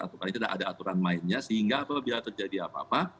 atau karena tidak ada aturan mainnya sehingga apabila terjadi apa apa